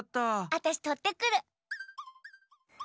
あたしとってくる！